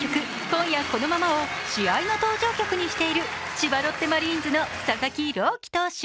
「今夜このまま」を試合の登場曲にしている千葉ロッテマリーンズの佐々木朗希投手。